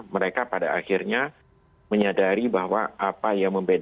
mereka pada akhirnya menyadari bahwa apa yang membedakan